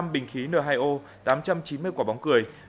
bốn mươi năm bình khí n hai o tám trăm chín mươi quả bóng cười